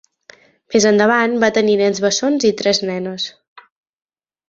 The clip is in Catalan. Més endavant va tenir nens bessons i tres nenes.